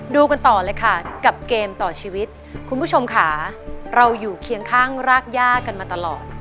ดูกันต่อเลยค่ะกับเกมต่อชีวิตคุณผู้ชมค่ะเราอยู่เคียงข้างรากย่ากันมาตลอด